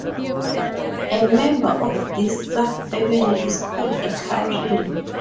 A member of this subfamily is called a caprine.